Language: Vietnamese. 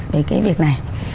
về cái việc này